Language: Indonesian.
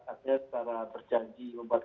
artinya secara berjanji membuat